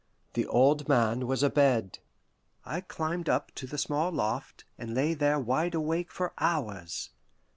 The old man was abed. I climbed up to the small loft, and lay there wide awake for hours.